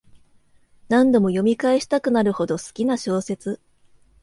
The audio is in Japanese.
何度も読み返したくなるほど好きな小説